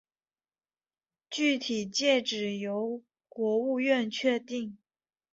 具体界址由国务院确定。